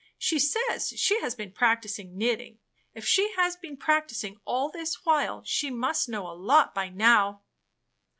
She says she has been practicing knitting. If she has been practicing all this while, she must know a lot by now."